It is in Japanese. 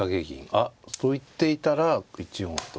あっと言っていたら１四歩と。